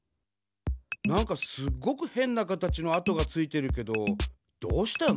なんかすっごくへんなかたちの跡がついてるけどどうしたの？